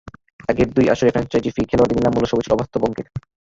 আগের দুই আসরে ফ্র্যাঞ্চাইজি ফি, খেলোয়াড়দের নিলাম মূল্য সবই ছিল অবাস্তব অঙ্কের।